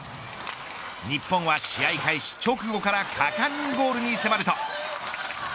日本は試合開始直後から果敢にゴールに迫ると。